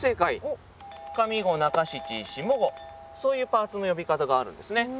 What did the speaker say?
そういうパーツの呼び方があるんですね。